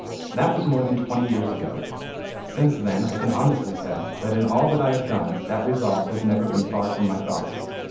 That was more than twenty years ago. Since then I can honestly say that in all that I have done that resolve has never been very far from my thoughts.